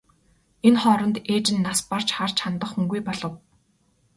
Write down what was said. Энэ хооронд ээж нь нас барж харж хандах хүнгүй болов.